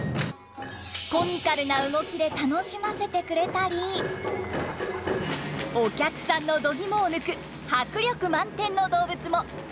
コミカルな動きで楽しませてくれたりお客さんのどぎもを抜く迫力満点の動物も。